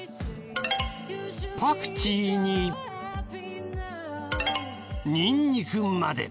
パクチーにニンニクまで。